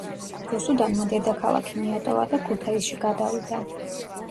რუსუდანმა დედაქალაქი მიატოვა და ქუთაისში გადავიდა.